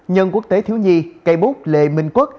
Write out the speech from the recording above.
nhân quốc tế thiếu nhi cây bút lê minh quốc